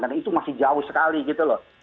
karena itu masih jauh sekali gitu loh